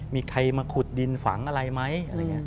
มีใครมาขุดดินฝังอะไรไหม